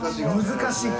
難しい。